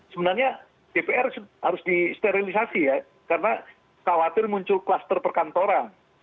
sebenarnya dpr harus disterilisasi ya karena khawatir muncul kluster perkantoran